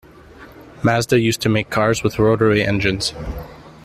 Mazda used to make cars with rotary engines.